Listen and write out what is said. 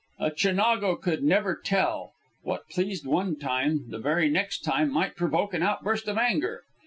A Chinago could never tell. What pleased one time, the very next time might provoke an outburst of anger.